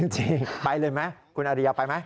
จริงไปเลยไหมคุณอาริยาไปไหม